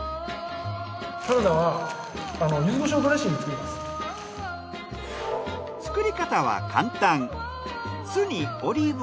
サラダは作り方は簡単。